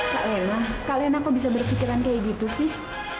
kak lena kalian aku bisa berpikiran kayak gitu sih